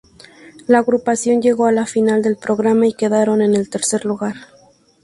La agrupación llegó a la final del programa y quedaron en el tercer lugar.